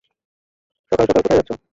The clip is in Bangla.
সকাল সকাল কোথায় যাচ্ছ?